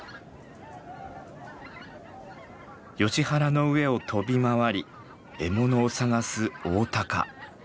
ヨシ原の上を飛び回り獲物を探すオオタカ。